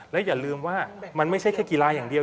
และอย่าลืมว่ามันไม่ใช่แค่กีฬาอย่างเดียว